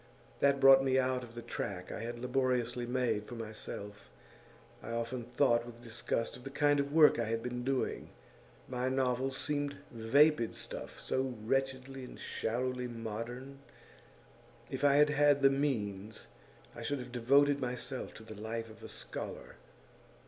That brought me out of the track I had laboriously made for myself I often thought with disgust of the kind of work I had been doing; my novels seemed vapid stuff, so wretchedly and shallowly modern. If I had had the means, I should have devoted myself to the life of a scholar.